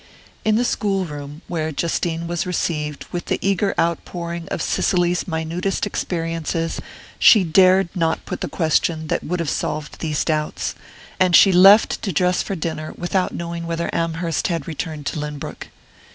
In the school room, where Justine was received with the eager outpouring of Cicely's minutest experiences, she dared not put the question that would have solved these doubts; and she left to dress for dinner without knowing whether Amherst had returned to Lynbrook.